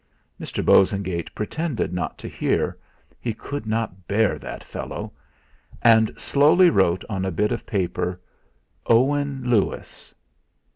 Mr. Bosengate pretended not to hear he could not bear that fellow! and slowly wrote on a bit of paper: "Owen Lewis."